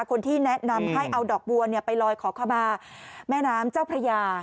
คนที่แนะนำให้เอาดอกบัวไปลอยขอขมาแม่น้ำเจ้าพระยา